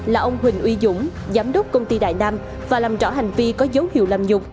là ông huỳnh uy dũng giám đốc công ty đại nam và làm rõ hành vi có dấu hiệu làm nhục